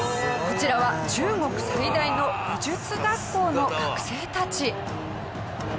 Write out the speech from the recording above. こちらは中国最大の武術学校の学生たち。